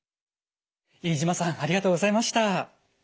飯島さんありがとうございました。